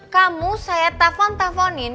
kamu saya telfon telfonin